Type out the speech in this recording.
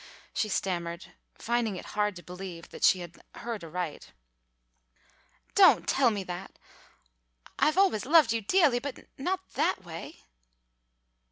she stammered, finding it hard to believe that she had heard aright. "Don't tell me that! I've always loved you deahly, but not that way."